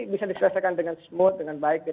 bisa diselesaikan dengan smooth dengan baik